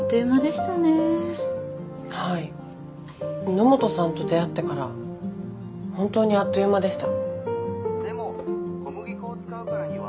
野本さんと出会ってから本当にあっという間でした。